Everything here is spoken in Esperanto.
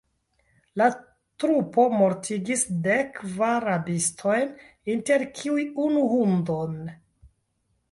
La trupo mortigis dek kvar rabistojn, inter kiuj unu hundon.